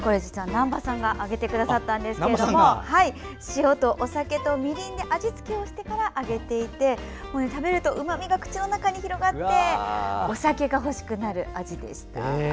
難波さんが揚げてくださったんですが塩とお酒とみりんで味付けをしてから揚げていて、食べるとうまみが口の中に広がってお酒が欲しくなる味でした。